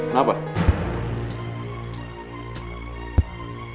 ntar kita ke rumah sakit